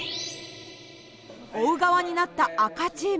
追う側になった赤チーム。